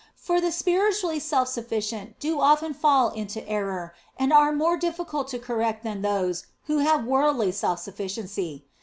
For the spiritually self sufficient do often fall into error and are more difficult to correct than those who have worldly self sufficiency.